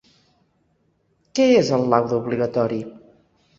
Què és el laude obligatori?